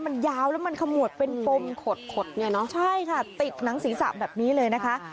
มันยาวแล้วมันขมวดเป็นปมขดขดเนี่ยเนอะใช่ค่ะติดหนังศีรษะแบบนี้เลยนะคะ